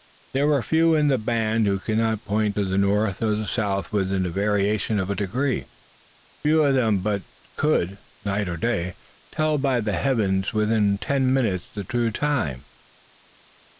There were few in the band who could not point to the north or the south within the variation of a degree: few of them but could, night or day, tell by the heavens within ten minutes of the true time.